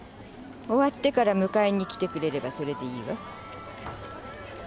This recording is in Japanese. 終わってから迎えに来てくれればそれでいいわ。